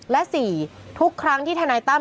และสี่ทุกครั้งที่ธนัยต้ำ